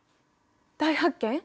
大発見？